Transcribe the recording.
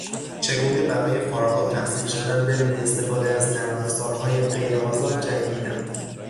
چگونه برای فارغالتحصیل شدن بدون استفاده از نرمافزارهای غیرآزاد جنگیدم